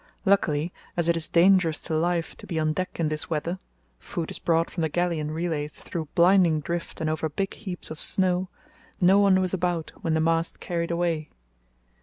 Luckily, as it is dangerous to life to be on deck in this weather (food is brought from the galley in relays through blinding drift and over big heaps of snow), no one was about when the mast carried away.